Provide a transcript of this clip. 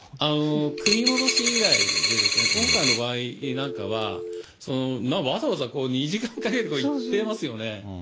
組み戻し以外で、今回の場合なんかは、わざわざ２時間かけて行ってますよね。